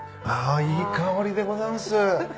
あいい香りでございます。